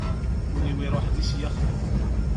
Ul-iw iruḥ d isyaxen.